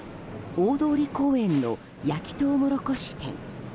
大通公園の焼きトウモロコシ店。